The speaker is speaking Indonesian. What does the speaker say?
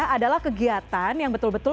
adalah kegiatan yang betul betul